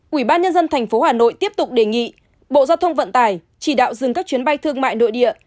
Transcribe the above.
quỹ ban nhân dân tp hà nội tiếp tục đề nghị bộ giao thông vận tải chỉ đạo dừng các chuyến bay thương mại nội địa